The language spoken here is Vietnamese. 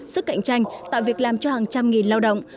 sức cạnh tranh tạo việc làm cho hàng trăm nghìn lao động